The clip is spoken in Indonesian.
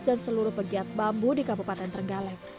dan seluruh pegiat bambu di kabupaten trenggalek